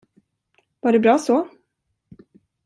Var det bra så?